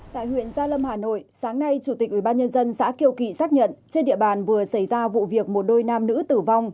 tại huyện gia lâm hà nội sáng nay chủ tịch ubnd xã kiều kỵ xác nhận trên địa bàn vừa xảy ra vụ việc một đôi nam nữ tử vong